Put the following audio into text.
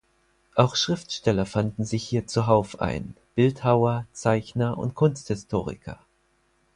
Auch Schriftsteller fanden sich hier zuhauf ein, Bildhauer, Zeichner und Kunsthistoriker.